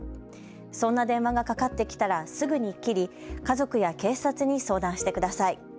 そんな電話がかかってきたらすぐに切り、家族や警察に相談してください。